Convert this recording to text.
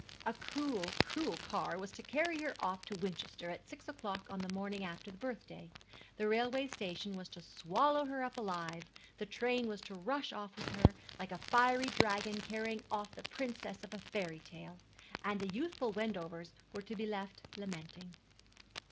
A cruel, cruel car was to carry her off to Winchester at six o'clock on the morning after the birthday; the railway station was to swallow her up alive; the train was to rush off with her, like a fiery dragon carrying off the princess of fairy tale; and the youthful Wendovers were to be left lamenting.